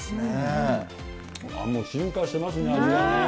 もう進化してますね、味がね。